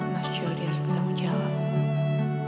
mas juli harus bertanggung jawab